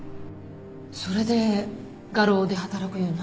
それで画廊で働くようになったの？